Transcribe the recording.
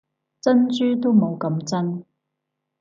珍珠都冇咁真